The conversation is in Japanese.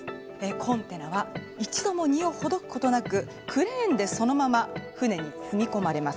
コンテナは一度も荷をほどくことなくクレーンでそのまま船に積み込まれます。